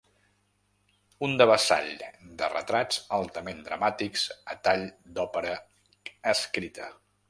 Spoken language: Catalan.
Un devessall de retrats altament dramàtics a tall d’òpera escrita.